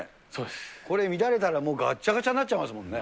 これ乱れたらがっちゃがちゃになっちゃいますもんね。